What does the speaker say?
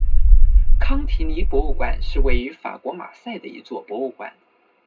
康提尼博物馆是位于法国马赛的一座博物馆。